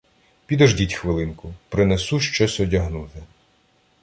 Підождіть хвилинку, принесу щось одягнути.